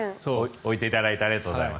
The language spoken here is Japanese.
置いていただいてありがとうございます。